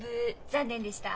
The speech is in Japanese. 残念でした。